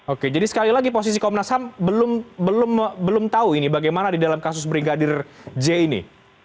oke jadi sekali lagi posisi komnas ham belum tahu ini bagaimana di dalam kasus brigadir j ini